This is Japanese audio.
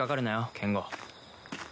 ケンゴ。